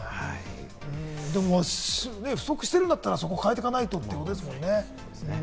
でも不足してるんだったら、そこを変えていかないとってことですもんね。